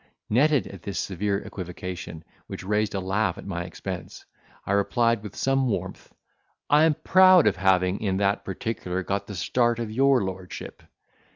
Nettled at this severe equivocation, which raised a laugh at my expense, I replied with some warmth, "I am proud of having in that particular got the start of your lordship."